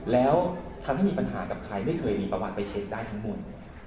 แล้วทำให้มีปัญหากับใครไม่เคยมีประมาณไปเช็คได้ทั้งหมด